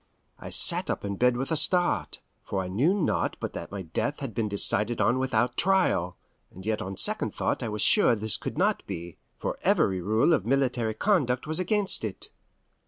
I sat up in bed with a start, for I knew not but that my death had been decided on without trial; and yet on second thought I was sure this could not be, for every rule of military conduct was against it.